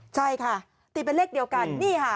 ใช่ค่ะตีเป็นเลขเดียวกัน